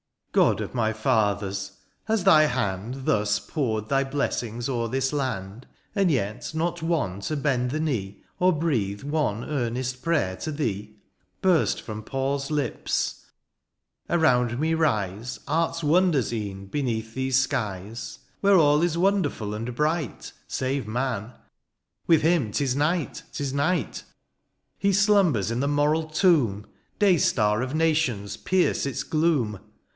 ^^ God of my fathers ! has thy hand ^^ Thus poured thy blessings o'er this land, '^ And yet not one to bend the knee, ^^ Or breathe one earnest prayer to thee,'' Burst from Paul's lips. —^^ Around me rise '' Arf 8 wonders e'en beneath these skies. THE AREOPAGITE. 13 " Where all is wonderful and bright, ^^ Save man ; with him ^tis night, ^tis night ;" He slumbers in the moral tomb :^^ Daystar of nations, pierce its gloom.